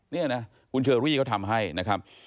นี่นะคุณเชอรี่เขาทำให้นะครับ